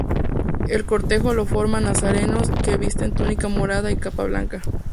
El cortejo lo forman nazarenos que visten túnica morada y capa blanca.